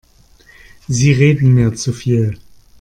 Sie reden mir zu viel.